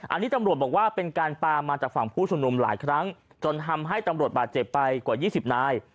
อันนี้ตำรวจบอกว่าเป็นการปลามาจากฝั่งผู้ชุมนุมหลายครั้งจนทำให้ตำรวจบาดเจ็บไปกว่า๒๐นาย